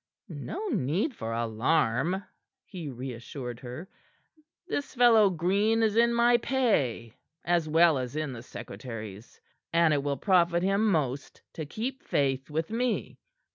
"No need for alarm," he reassured her. "This fellow Green is in my pay, as well as in the secretary's, and it will profit him most to keep faith with me.